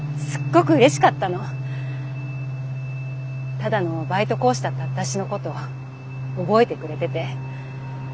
ただのバイト講師だった私のことを覚えてくれてて。